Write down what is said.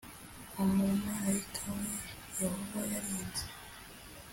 Umumarayika wa Yehova yarinze